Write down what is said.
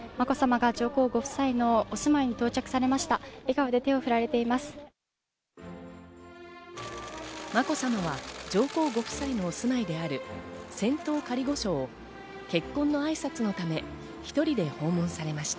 まこさまは上皇ご夫妻のお住まいである仙洞仮御所を結婚の挨拶のため１人で訪問されました。